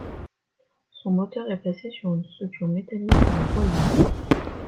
Son moteur est placé sur une structure métallique sur la voilure.